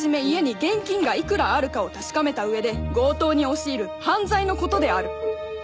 家に現金がいくらあるかを確かめた上で強盗に押し入る犯罪の事である。